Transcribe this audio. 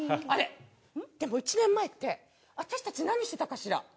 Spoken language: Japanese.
あれでも１年前って私たち何してたかしら？